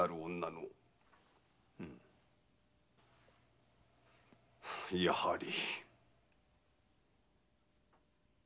うん。やはり。